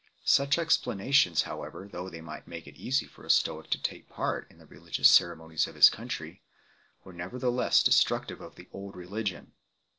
Such explanations, however, though they might make it easy for a Stoic to take part in the religious ceremonies of his country, were nevertheless de structive of the old religion.